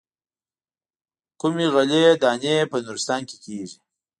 کومې غلې دانې په نورستان کې کېږي.